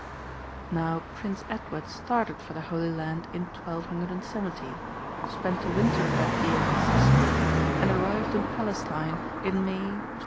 Now Prince Edward started for the Holy Land in 1270, spent the winter of that year in Sicily, and arrived in Palestine in May 1271.